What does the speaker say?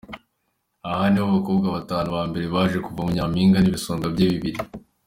Aba nibo bakobwa batanu ba mbere baje kuvamo Nyampinga n'ibisonga bye bibiri.